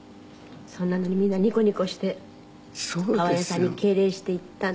それなのにみんなニコニコして爽やかに敬礼して行った。